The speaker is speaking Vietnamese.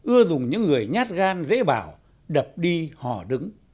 ưa dùng những người nhát gan dễ bảo đập đi hò đứng